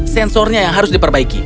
sensornya yang harus diperbaiki